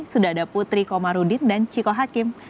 sudah ada putri komarudin dan ciko hakim